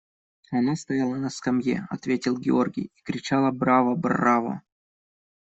– Она стояла на скамье, – ответил Георгий, – и кричала: «Браво, браво!»